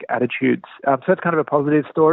jadi itu adalah cerita positif